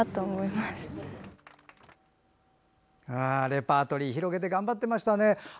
レパートリー広げて頑張っていましたね。